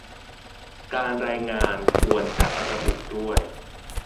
การรายงานควรจะระบุด้วย